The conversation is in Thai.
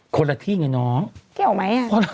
เกี่ยวไหมอ่ะ